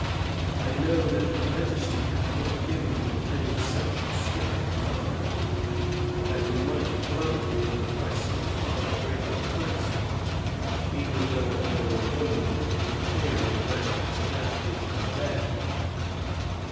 I know that her majesty hath not given you any such strict command, but that you might grant me a request of far greater courtesy, even though I were a woman of inferior rank to that which I bear."